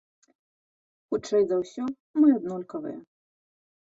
Хутчэй за ўсё, мы аднолькавыя.